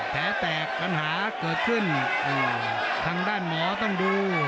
แผลแตกปัญหาเกิดขึ้นทางด้านหมอต้องดู